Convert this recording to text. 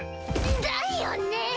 だよねぇ！